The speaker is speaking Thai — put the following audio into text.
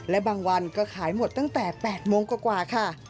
และบางวันก็ขายหมดตั้งแต่๘โมงกว่าค่ะ